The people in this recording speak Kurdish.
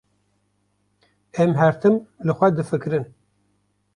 Em her tim li xwe difikirin.